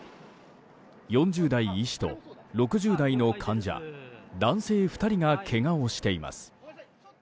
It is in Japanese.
４０代医師と６０代の患者男性２人がけがをしています。